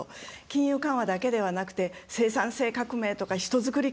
金融緩和だけではなくて生産性革命とか人づくり